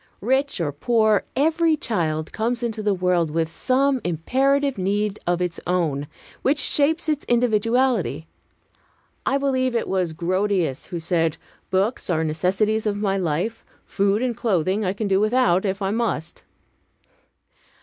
Rich or poor, every child comes into the world with some imperative need of its own, which shapes its individuality. I believe it was Grotius who said, "Books are necessities of my life. Food and clothing I can do without, if I must."